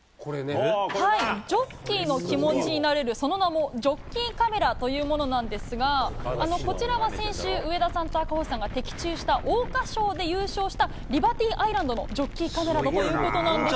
ジョッキーの気持ちになれる、その名も、ジョッキーカメラというものなんですが、こちらは先週、上田さんと赤星さんが的中した桜花賞で優勝したリバティアイランドのジョッキーカメラなんだということなんです。